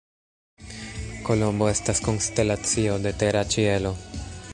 Kolombo estas konstelacio de tera ĉielo.